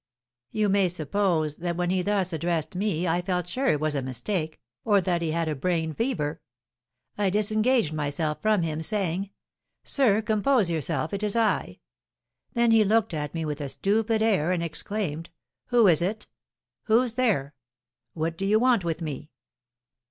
You may suppose that when he thus addressed me I felt sure it was a mistake, or that he had a brain fever. I disengaged myself from him, saying, 'Sir, compose yourself, it is I!' Then he looked at me with a stupid air, and exclaimed, 'Who is it? Who's there? What do you want with me?'